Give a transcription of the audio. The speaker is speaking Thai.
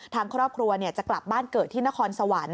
ทางครอบครัวจะกลับบ้านเกิดที่นครสวรรค์